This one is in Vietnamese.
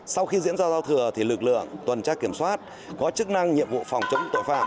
sau khi diễn ra giao thừa thì lực lượng tuần tra kiểm soát có chức năng nhiệm vụ phòng chống tội phạm